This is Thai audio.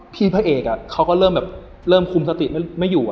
พี่พระเอกเขาก็เริ่มคุมสติไม่อยู่